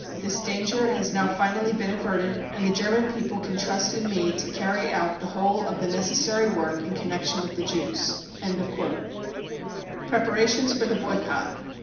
This danger has now finally been averted and the German people can trust in me to carry out the whole of the necessary work in connection with the Jews." Preparations for the Boycott.